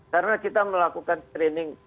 karena kita melakukan screening